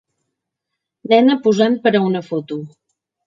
nena posant per a una foto